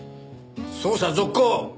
捜査続行。